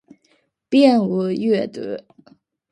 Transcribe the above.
便于阅读